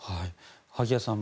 萩谷さん